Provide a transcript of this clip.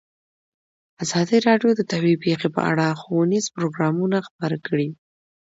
ازادي راډیو د طبیعي پېښې په اړه ښوونیز پروګرامونه خپاره کړي.